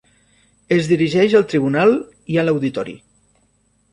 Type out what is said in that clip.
Es dirigeix al tribunal i a l’auditori.